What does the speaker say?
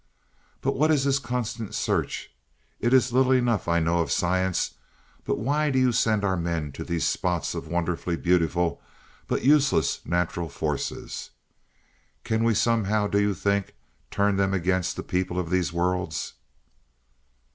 "But what is this constant search? It is little enough I know of science, but why do you send our men to these spots of wonderfully beautiful, but useless natural forces. Can we somehow, do you think, turn them against the people of these worlds?"